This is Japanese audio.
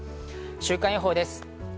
週間予報です。